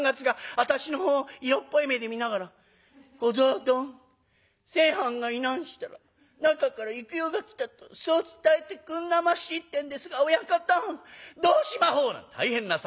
私のほう色っぽい目で見ながら『小僧どん。清はんがいなんしたら吉原から幾代が来たとそう伝えてくんなまし』ってんですが親方どうしまほう」なんて大変な騒ぎ。